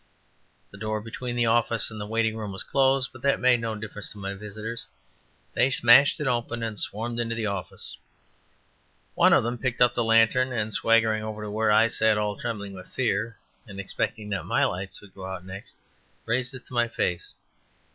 The door between the office and the waiting room was closed, but that made no difference to my visitors; they smashed it open and swarmed into the office. One of them picked up the lantern, and swaggering over to where I sat all trembling with fear, and expecting that my lights would go out next, raised it to my face.